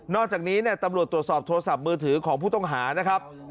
จากนี้ตำรวจตรวจสอบโทรศัพท์มือถือของผู้ต้องหานะครับ